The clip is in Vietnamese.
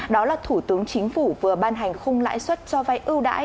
đó là thủ tướng chính phủ vừa ban hành khung lãi suất cho vay ưu đãi